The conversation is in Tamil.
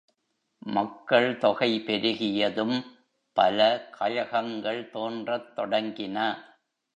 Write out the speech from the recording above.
மக்கள் தொகை பெருகியதும் பல கழகங்கள் தோன்றத் தொடங்கின.